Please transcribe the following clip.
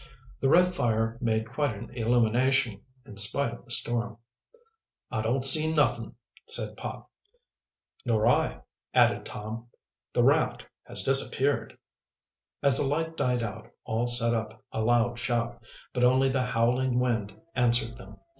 The red fire made quite an illumination, in spite of the storm. "I don't see nuffin," said Pop. "Nor I," added Tom. "The raft has disappeared." As the light died out all set up a loud shout. But only the howling wind answered them.